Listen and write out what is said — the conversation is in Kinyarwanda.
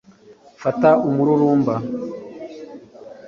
Fata umururumba